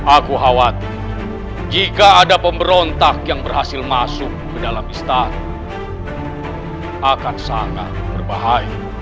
aku khawatir jika ada pemberontak yang berhasil masuk ke dalam istana akan sangat berbahaya